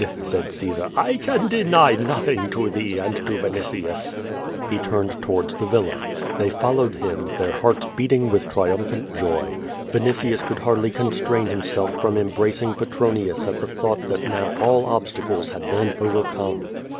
said Caesar. "1 can deny nothing to thee and to Vinitius." lie turned towards the villa. They followed him, their hearts beating with triumphant joy. Vinitius could hardly constrain himself from embracing Petronius at the thought that now all obstacles had been overcome.